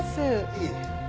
いえ。